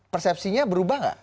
persepsinya berubah nggak